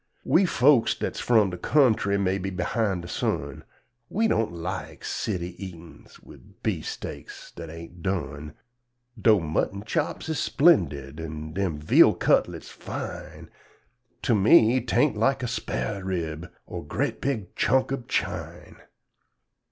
We folks dat's frum de kuntry may be behin' de sun We don't like city eatin's, wid beefsteaks dat ain' done 'Dough mutton chops is splendid, an' dem veal cutlits fine, To me 'tain't like a sphar rib, or gret big chunk ub chine.